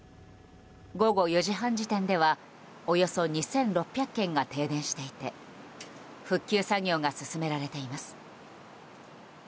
午後４時半時点ではおよそ２６００軒が停電していて復旧作業が進められています。